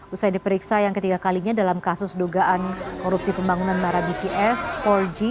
usai diperiksa yang ketiga kalinya dalam kasus dugaan korupsi pembangunan bara bts empat g